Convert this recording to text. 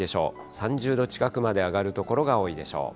３０度近くまで上がる所が多いでしょう。